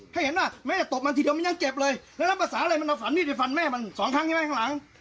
ให้เห็นว่าแม่จะตบมันทีเดียวมันยังเจ็บเลยแล้วรับภาษาอะไรมันเอาฝันมีดไปฟันแม่มันสองครั้งใช่ไหมข้างหลัง